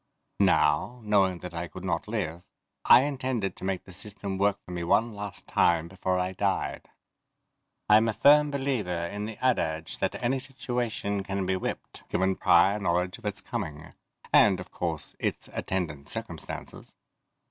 Now, knowing that I could not live, I intended to make the system work for me one last time before I died. I'm a firm believer in the adage that any situation can be whipped, given prior knowledge of its coming and, of course, its attendant circumstances.